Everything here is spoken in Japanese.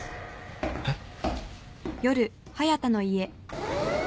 えっ？